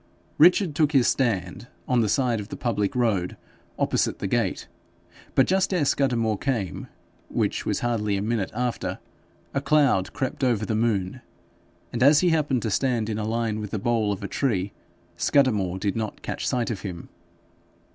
Richard took his stand on the side of the public road opposite the gate; but just ere Scudamore came, which was hardly a minute after, a cloud crept over the moon, and, as he happened to stand in a line with the bole of a tree, Scudamore did not catch sight of him.